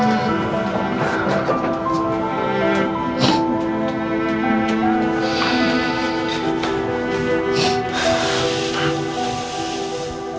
terima kasih ya mama